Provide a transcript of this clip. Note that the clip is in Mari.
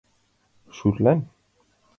Шӱрлан?